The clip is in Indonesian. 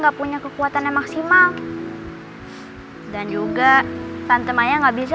aku gak mau pisah sama tante maya